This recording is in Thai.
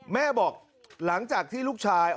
แม่บอกหลังจากที่ลูกชาย